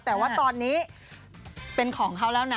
แต่ว่าตอนนี้เป็นของเขาแล้วนะ